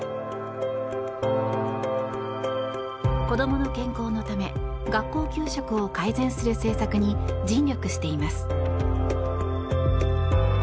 子どもの健康のため学校給食を改善する政策に尽力しています。